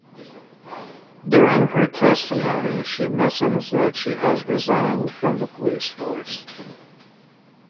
During her testimony, she mentions that she has resigned from the police force.